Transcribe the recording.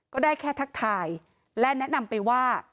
ก็ได้แค่ทักทายและแนะนำไปว่า